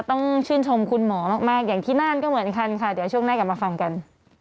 ต้องชื่นชมคุณหมอมากอย่างที่นั่นก็เหมือนกันค่ะเดี๋ยวช่วงหน้ากลับมาฟังกัน